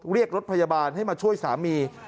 เรียกรถพยาบาลให้มาช่วยสามี